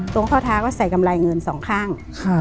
ตรงข้อเท้าก็ใส่กำไรเงินสองข้าง